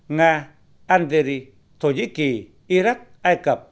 nga algeria thổ nhĩ kỳ iraq ai cập